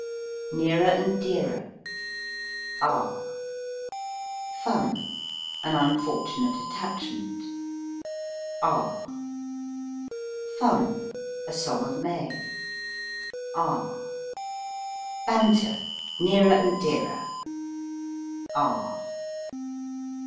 Nearer and Dearer R. An Unfortunate Attachment . R, A Song of May . R. Nearer and Dearer R.